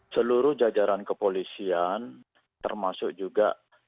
seluruh jajaran kepolisian termasuk juga